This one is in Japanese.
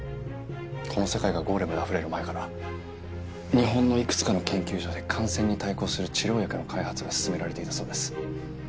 この世界がゴーレムであふれる前から日本のいくつかの研究所で感染に対抗する治療薬の開発が進められていたそうです。